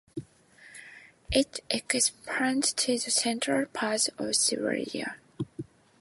It expands to the central parts of Serbia.